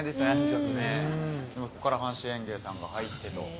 ここから阪神園芸さんが入ってと。